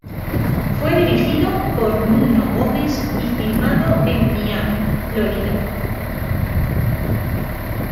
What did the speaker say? Fue dirigido por Nuno Gomes y filmado en Miami, Florida.